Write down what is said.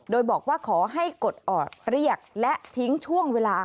โดยบอกว่าขอให้กดออดเรียกและทิ้งช่วงเวลา